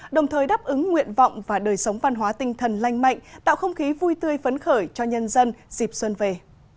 đồng thời đáp ứng nguyện vọng và đời sống văn hóa tinh thần lanh mạnh tạo không khí vui tươi phấn khởi cho nhân dân dịp xuân về